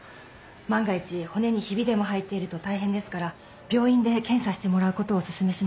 万が一骨にヒビでも入っていると大変ですから病院で検査してもらうことをお勧めします。